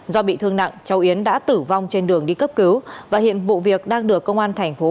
do bị thương nặng cháu yến đã tử vong trên đường đi cấp cứu và hiện vụ việc đang được công an tp quảng ngãi lập rõ